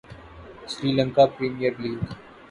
Sri Lanka Premier League